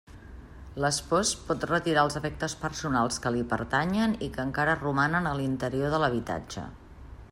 L'espòs pot retirar els efectes personals que li pertanyen i que encara romanen a l'interior de l'habitatge.